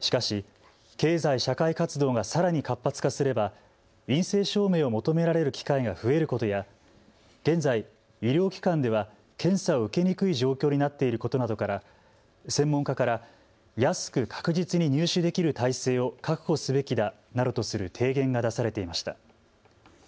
しかし経済社会活動がさらに活発化すれば陰性証明を求められる機会が増えることや現在、医療機関では検査を受けにくい状況になっていることなどから専門家から安く確実に入手できる体制を確保すべきだなどとする提言が出されていました。